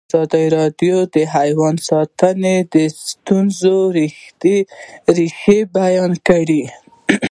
ازادي راډیو د حیوان ساتنه د ستونزو رېښه بیان کړې.